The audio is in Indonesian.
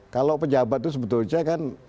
kalau pejabat itu sebetulnya kan